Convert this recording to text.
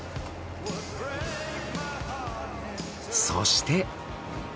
そして。